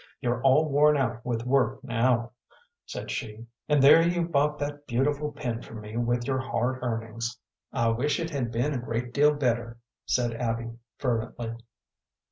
"You're all worn out with work now," said she, "and there you bought that beautiful pin for me with your hard earnings." "I wish it had been a great deal better," said Abby, fervently.